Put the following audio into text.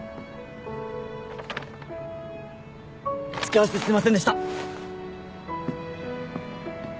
付き合わせてすいませんでした。